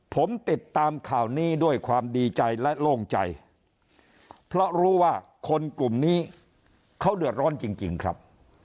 ผมติดตามข่าวนี้ด้วยความดีใจและโล่งใจเพราะรู้ว่าคนกลุ่มนี้เขาเดือดร้อนจริงครับ